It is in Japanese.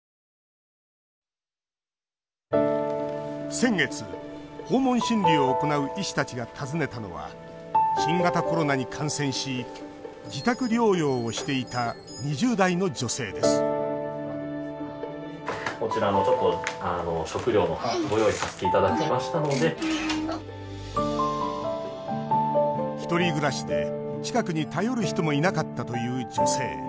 先月、訪問診療を行う医師たちが訪ねたのは新型コロナに感染し自宅療養をしていた２０代の女性です一人暮らしで、近くに頼る人もいなかったという女性。